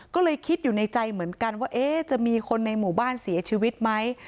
ก็เลยคิดอยู่ในใจเหมือนกันว่าจะมีคนในหมู่บ้านเสียชีวิตไหม